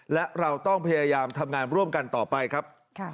และเราต้องพยายามทำงานร่วมกันต่อไปครับ